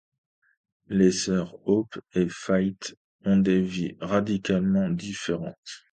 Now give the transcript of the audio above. Les sœurs Hope et Faith ont des vies radicalement différentes.